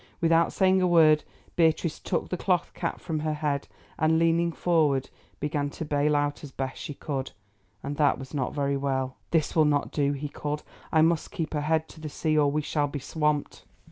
Without saying a word, Beatrice took the cloth cap from her head and, leaning forward, began to bale as best she could, and that was not very well. "This will not do," he called. "I must keep her head to the sea or we shall be swamped."